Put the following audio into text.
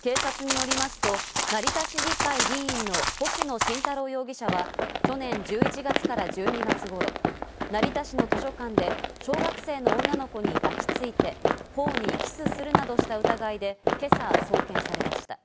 警察によりますと、成田市議会議員の星野慎太郎容疑者は去年１１月から１２月頃、成田市の図書館で小学生の女の子に抱きついて、頬にキスするなどした疑いで今朝送検されました。